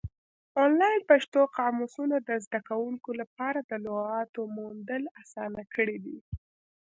آنلاین پښتو قاموسونه د زده کوونکو لپاره د لغاتو موندل اسانه کړي دي.